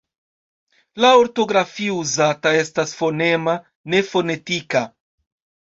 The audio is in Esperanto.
La ortografio uzata estas fonema, ne fonetika.